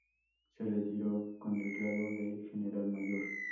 Se retiró con el grado de general mayor.